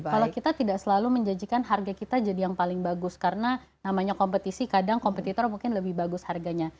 kalau kita tidak selalu menjanjikan harga kita jadi yang paling bagus karena namanya kompetisi kadang kompetitor mungkin lebih bagus harganya